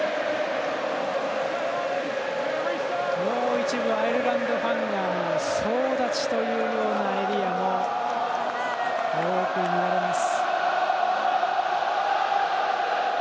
一部アイルランドファンが総立ちというようなエリアも多く見られます。